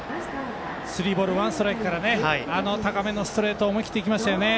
スリーボールワンストライクから高めのストレート思い切っていきましたよね。